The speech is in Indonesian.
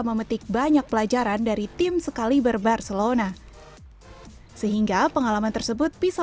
memetik banyak pelajaran dari tim sekaliber barcelona sehingga pengalaman tersebut bisa